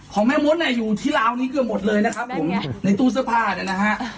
ของแม่มดเนี่ยอยู่ที่ราวนี้เกือบหมดเลยนะครับผมในตู้เสื้อผ้าเนี่ยนะฮะ